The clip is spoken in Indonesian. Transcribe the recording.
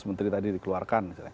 sebelas menteri tadi dikeluarkan